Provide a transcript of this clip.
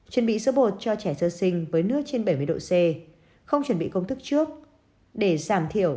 chuẩn bị sữa bột cho trẻ sơ sinh với nước trên bảy mươi độ c không chuẩn bị công thức trước để giảm thiểu